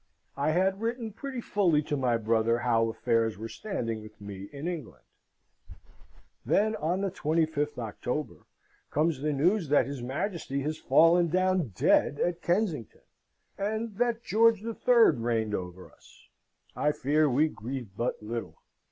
I had written pretty fully to my brother how affairs were standing with me in England. Then, on the 25th October, comes the news that his Majesty has fallen down dead at Kensington, and that George III. reigned over us. I fear we grieved but little.